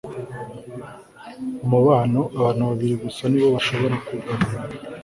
umubano abantu babiri gusa ni bo bashobora kugabana